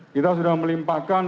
kita sudah melimpahkan